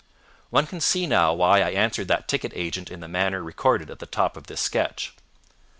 (One can see now why I answered that ticket agent in the manner recorded at the top of this sketch.)